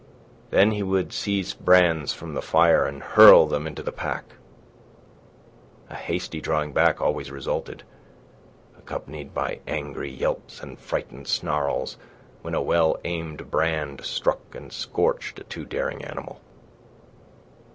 Then he would seize brands from the fire and hurl them into the pack. A hasty drawing back always resulted, accompanied by angry yelps and frightened snarls when a well aimed brand struck and scorched a too daring animal.